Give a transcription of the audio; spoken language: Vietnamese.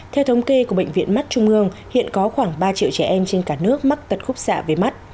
theo thống kê của bệnh viện mắt trung ương hiện có khoảng ba triệu trẻ em trên cả nước mắc tật khúc xạ về mắt